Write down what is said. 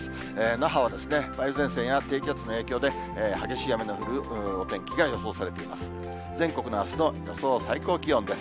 那覇は梅雨前線や低気圧の影響で、激しい雨の降るお天気が予想されています。